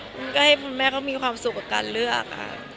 มันก็ให้คุณแม่เขามีความสุขกับการเลือกค่ะ